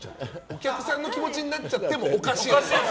お客さんの気持ちになっちゃってもおかしい。